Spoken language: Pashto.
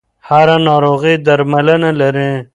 هره ناروغي درملنه لري.